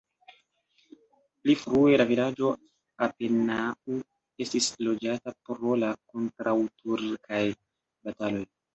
Pli frue la vilaĝo apenaŭ estis loĝata pro la kontraŭturkaj bataloj.